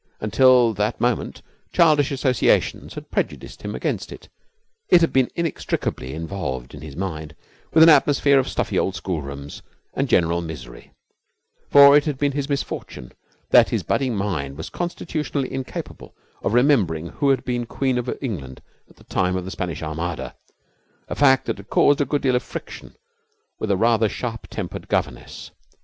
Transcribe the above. Until that moment childish associations had prejudiced him against it. It had been inextricably involved in his mind with an atmosphere of stuffy schoolrooms and general misery, for it had been his misfortune that his budding mind was constitutionally incapable of remembering who had been Queen of England at the time of the Spanish Armada a fact that had caused a good deal of friction with a rather sharp tempered governess.